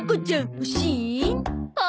欲しい！